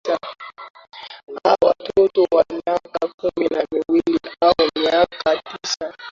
aah watoto wa miaka kumi na miwili au miaka tisa